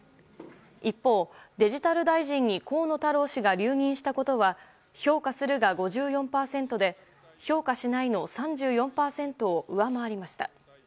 一方、デジタル大臣に河野太郎氏が留任したことは評価するが５４％で評価しないの３４％を上回りました。